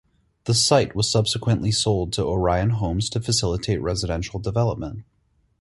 The site was subsequently sold to Orion Homes to facilitate residential development.